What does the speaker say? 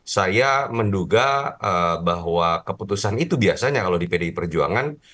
saya menduga bahwa keputusan itu biasanya kalau di pdi perjuangan